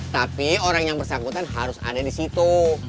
tapi orang yang bersangkutan harus ada disitu